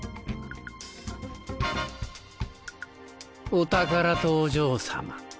お宝とお嬢様。